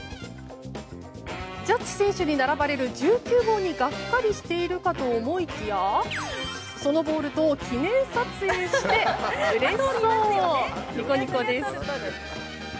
ジャッジ選手に並ばれる１９号にがっかりしているかと思いきやそのボールと記念撮影してうれしそう。